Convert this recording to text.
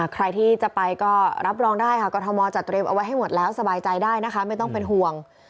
ใครที่จะไปก็รับรองได้ค่ะกรทมจัดเตรียมเอาไว้ให้หมดแล้วสบายใจได้นะคะไม่ต้องเป็นห่วง